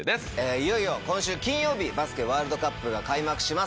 いよいよ今週金曜日バスケワールドカップが開幕します。